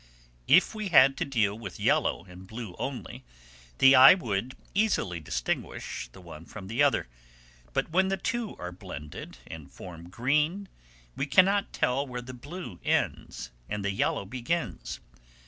If we had to deal with yellow and blue only, the eye would easily distinguish the one from the other; but when the two are blended, and form green, we cannot tell where the blue ends and the yellow begins.